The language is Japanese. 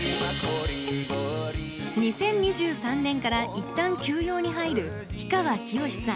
２０２３年から一旦休養に入る氷川きよしさん。